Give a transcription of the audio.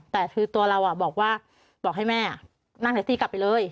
แต่คือตัวเราอ่ะบอกว่าบอกให้แม่อ่ะนั่งไลก์สี้กลับไปเลย